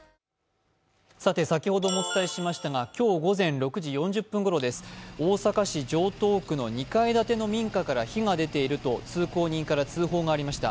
先ほどもお伝えしましたが、今日午前６時４０分ごろ大阪市城東区の２階建ての民家から火が出ていると通行人から通報がありました。